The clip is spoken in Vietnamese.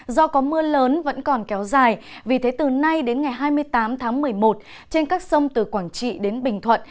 do có mưa lớn vẫn còn kéo dài vì thế từ nay đến ngày hai mươi tám tháng một mươi một trên các sông từ quảng trị đến bình thuận